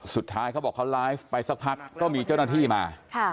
สุดท้ายเขาบอกว่าเขาไลฟ์ไปสักพักก็มีเจ้าหน้าที่มา